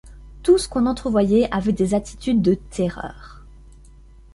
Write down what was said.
Tout ce qu’on entrevoyait avait des attitudes de terreur.